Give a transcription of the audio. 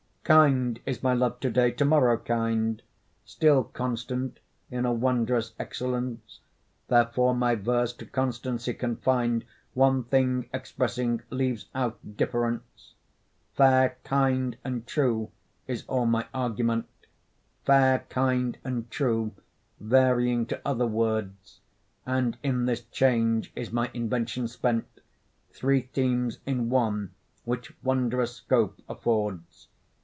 Kind is my love to day, to morrow kind, Still constant in a wondrous excellence; Therefore my verse to constancy confin'd, One thing expressing, leaves out difference. 'Fair, kind, and true,' is all my argument, 'Fair, kind, and true,' varying to other words; And in this change is my invention spent, Three themes in one, which wondrous scope affords.